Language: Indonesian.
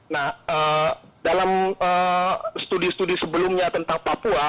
nah dalam studi studi sebelumnya tentang papua